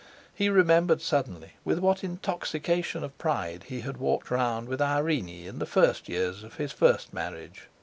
He remembered suddenly with what intoxication of pride he had walked round with Irene in the first years of his first marriage.